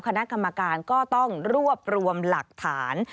คณะกรรมการก็ต้องรวบรวมหลักฐาน